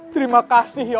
terima kasih ya bu